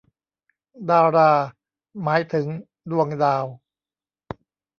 ดารา หมายถึงดวงดาว